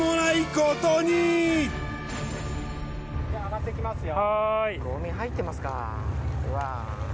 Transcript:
ごみ入ってますかうわ。